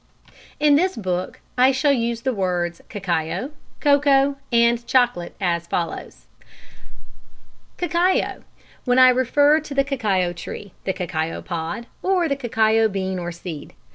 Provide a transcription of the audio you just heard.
] In this book I shall use the words cacao, cocoa, and chocolate as follows: Cacao, when I refer to the cacao tree, the cacao pod, or the cacao bean or seed.